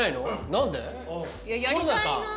何で？